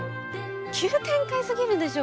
急展開すぎるでしょ！